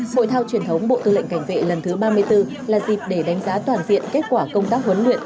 hội thao truyền thống bộ tư lệnh cảnh vệ lần thứ ba mươi bốn là dịp để đánh giá toàn diện kết quả công tác huấn luyện